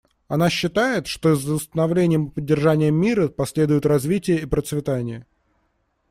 Она считает, что за установлением и поддержанием мира последуют развитие и процветание.